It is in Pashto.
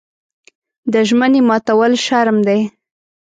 د ژمنې ماتول شرم دی.